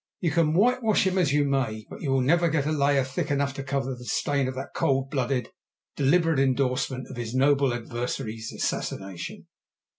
You can whitewash him as you may, but you will never get a layer thick enough to cover the stain of that cold blooded deliberate endorsement of his noble adversary's assassination.